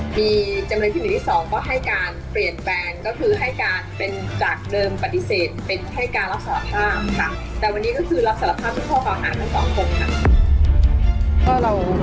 มีจำนวนคิดหนึ่งที่สองก็ให้การเปลี่ยนแฟนก็คือให้การเป็นจากเดิมปฏิเสธเป็นให้การรับสารภาพค่ะ